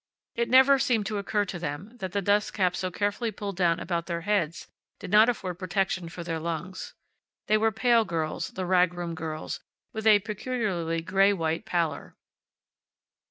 It never seemed to occur to them that the dust cap so carefully pulled down about their heads did not afford protection for their lungs. They were pale girls, the rag room girls, with a peculiarly gray white pallor.